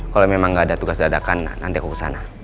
kalo memang gak ada tugas adakan nanti aku kesana